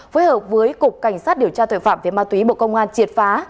với hợp với cục cảnh sát điều tra tuệ phạm về ma túy bộ công an triệt phá